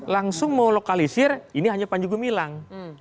langsung mau lokalisir ini hanya panji gumilang